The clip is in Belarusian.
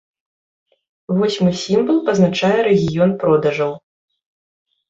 Восьмы сімвал пазначае рэгіён продажаў.